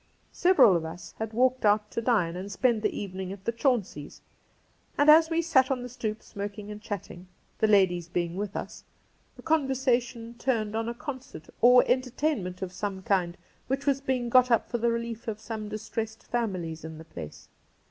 Several of us had walked out to dine and spend the evening a,t the Chaunceys', and as we sat on the stoep smoking and chatting, the ladies being Cassidy 1 37 with us, the conversation turned on a concert or entertainment of some kind which was being got up for the relief af some distressed families in the place.